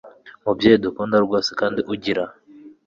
mubyeyi dukunda rwose, kandi ugira